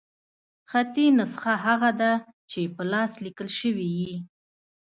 خطي نسخه هغه ده، چي په لاس ليکل سوې يي.